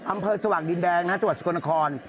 อำเภอสวัสดิ์ดินแดงนัทจัวร์สกลนคร